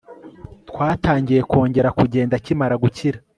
Twatangiye kongera kugenda akimara gukira